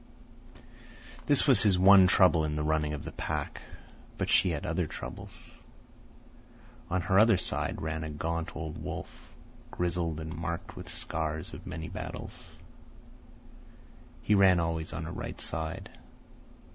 This was his one trouble in the running of the pack; but she had other troubles. On her other side ran a gaunt old wolf, grizzled and marked with the scars of many battles. He ran always on her right side.